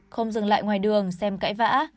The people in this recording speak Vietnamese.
không dừng lại ngoài đường xem cãi vã